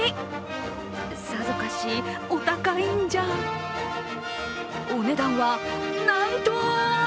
さぞかしお高いんじゃお値段はなんと！